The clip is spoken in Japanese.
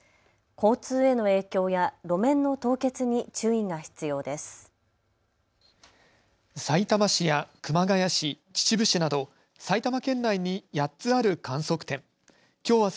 交通への影響や路面の凍結に注意が必要です。